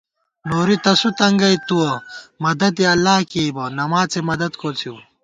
نوری تسُو تنگَئ تُوَہ، مدد یَہ اللہ کېئیبہ، نماڅےمدد کوڅِئیؤ